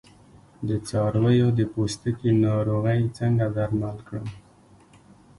د څارویو د پوستکي ناروغۍ څنګه درمل کړم؟